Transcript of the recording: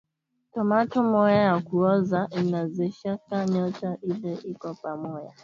Tomate moya ya kuoza inaozeshaka nyote ile iko pamoya